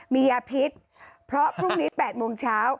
มียาพิษเพราะภูนี้๘โมงเช้า